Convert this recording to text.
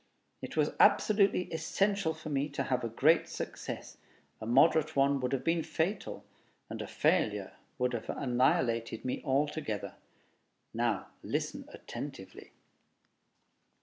It was absolutely essential for me to have a great success; a moderate one would have been fatal, and a failure would have annihilated me altogether. Now listen attentively.